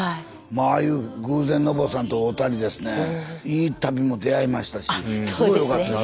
ああいう偶然のぼうさんと会うたりですねいい足袋も出会いましたしすごいよかったです。